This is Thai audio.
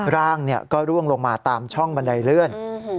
ร่างก็ร่วงลงมาตามช่องบันไดเลื่อน